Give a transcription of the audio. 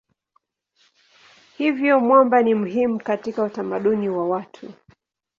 Hivyo mwamba ni muhimu katika utamaduni wa watu.